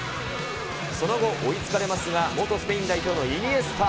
その後、追いつかれますが、元スペイン代表のイニエスタ。